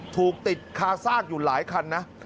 ถูกติดคาซากอยู่หลายคันนะ